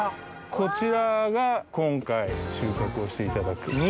こちらが今回収穫をしていただく。